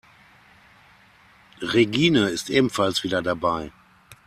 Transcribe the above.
Regine ist ebenfalls wieder dabei.